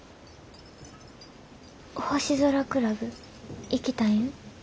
星空クラブ行きたいん？